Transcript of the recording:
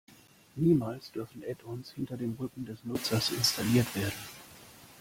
Niemals dürfen Add-ons hinter dem Rücken des Nutzers installiert werden.